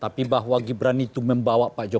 tapi bahwa gibran itu membawa pak jokowi